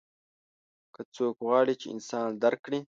که څوک غواړي چې انسان درک کړي.